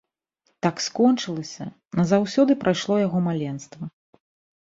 Так скончылася, назаўсёды прайшло яго маленства.